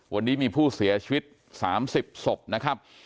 วันนี้มีผู้เสียชีวิต๓๐ศพนะครับ